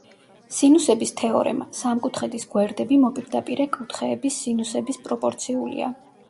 სინუსების თეორემა: სამკუთხედის გვერდები მოპირდაპირე კუთხეების სინუსების პროპორციულია.